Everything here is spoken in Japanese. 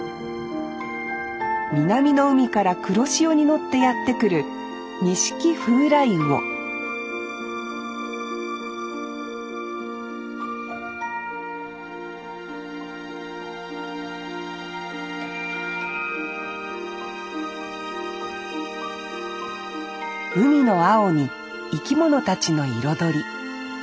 南の海から黒潮に乗ってやって来るニシキフウライウオ海の青に生き物たちの彩り。